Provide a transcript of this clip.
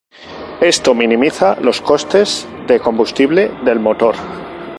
Esto minimiza los costes de combustible del motor.